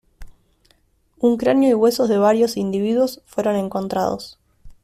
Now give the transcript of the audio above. Un cráneo y huesos de varios individuos fueron encontrados.